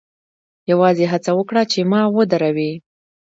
یوازې هڅه وکړه چې ما ودروې